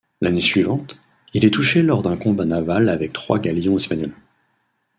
L'année suivante, il est touché lors d'un combat naval avec trois galions espagnols.